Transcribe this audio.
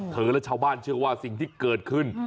และชาวบ้านเชื่อว่าสิ่งที่เกิดขึ้น